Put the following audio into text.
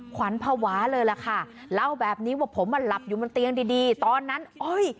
ขวัญภาวะเลยล่ะค่ะเล่าแบบนี้ว่าผมอ่ะหลับอยู่บนเตียงดีดีตอนนั้นอ้อย